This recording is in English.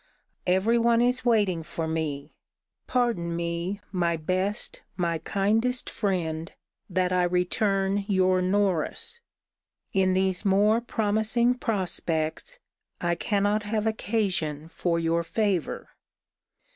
Every one is waiting for me. Pardon me, my best, my kindest friend, that I return your Norris. In these more promising prospects, I cannot have occasion for your favour.